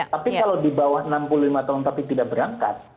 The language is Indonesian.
tapi kalau di bawah enam puluh lima tahun tapi tidak berangkat